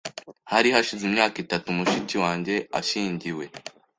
Hari hashize imyaka itatu mushiki wanjye ashyingiwe.